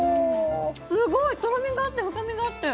すごいとろみがあって深みがあって。